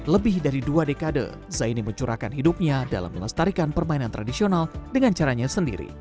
lebih dari dua dekade zaini mencurahkan hidupnya dalam melestarikan permainan tradisional dengan caranya sendiri